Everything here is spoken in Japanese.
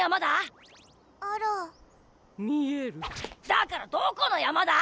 だからどこのやまだ？